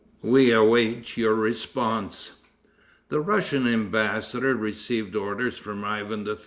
We await your response." The Russian embassador received orders from Ivan III.